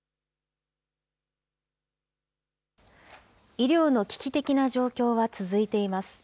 医療の危機的な状況は続いています。